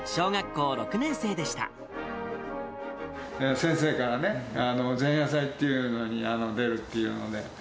先生からね、前夜祭っていうのに出るっていうので。